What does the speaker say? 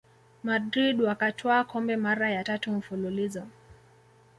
madrid wakatwaa kombe mara ya tatu mfululizo